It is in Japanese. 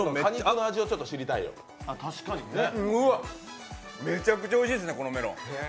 うわっ、めちゃくちゃおいしいですね、このメロン。